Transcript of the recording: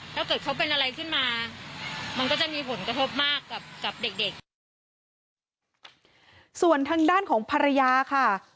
ถ้าเกิดเขาเป็นอะไรขึ้นมามันก็จะมีผลกระทบมากกับกับเด็กเด็กส่วนทางด้านของภรรยาค่ะ